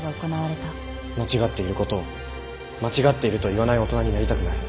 間違っていることを間違っていると言わない大人になりたくない。